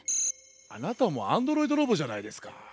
あなたもアンドロイドロボじゃないですか。